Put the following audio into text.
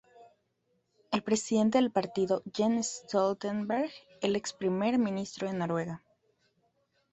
El presidente del partido, Jens Stoltenberg, el ex Primer ministro de Noruega.